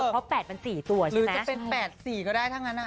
เพราะ๘มัน๔ตัวใช่ไหมหรือจะเป็น๘๔ก็ได้ทั้งนั้น